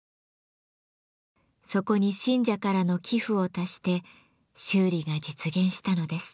そこに信者からの寄付を足して修理が実現したのです。